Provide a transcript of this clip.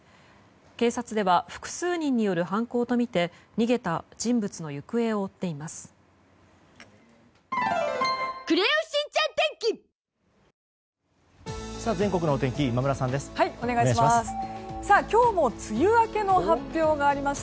警察では、複数人による犯行とみて逃げた人物の行方を追っています。